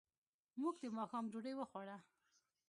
موږ د ماښام ډوډۍ وخوړه.